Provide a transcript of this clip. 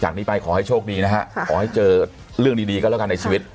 นี้ไปขอให้โชคดีนะฮะขอให้เจอเรื่องดีก็แล้วกันในชีวิต